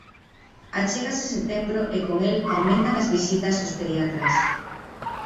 Achégase setembro e con el aumentan as visitas aos pediatras.